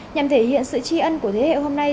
nhằm thể hiện sự tri ân của thế hệ hôm nay